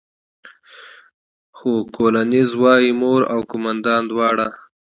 خو کولینز وايي، مور او قوماندانه دواړه.